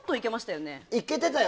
いけてたよ。